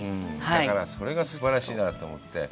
だからそれがすばらしいなと思って。